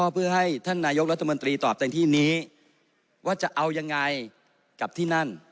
เพื่อให้ท่านนายกรัฐมนตรีตอบในที่นี้ว่าจะเอายังไงกับที่นั่น